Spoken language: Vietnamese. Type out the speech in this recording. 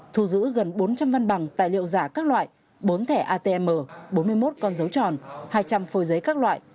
thu giữ gần bốn trăm linh văn bằng tài liệu giả các loại bốn thẻ atm bốn mươi một con dấu tròn hai trăm linh phôi giấy các loại